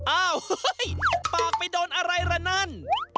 อ้าวเฮ้ยปากไปโดนอะไรละนั่น